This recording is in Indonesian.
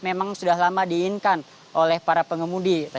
memang sudah lama diinginkan oleh para pengemudi